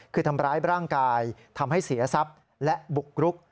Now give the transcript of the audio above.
คือทำร้ายร่างกายทำให้เสียทรัพย์และบุกรุก